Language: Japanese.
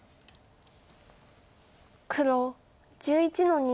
黒１１の二。